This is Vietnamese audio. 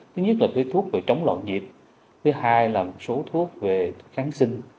thứ nhất là thuốc về chống loạn nhịp thứ hai là thuốc về kháng sinh